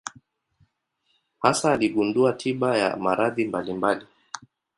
Hasa aligundua tiba ya maradhi mbalimbali.